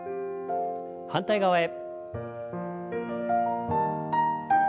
反対側へ。